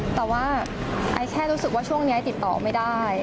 แต่ว่าไอแช่รู้สึกว่าช่วงนี้ไอติดต่อไม่ได้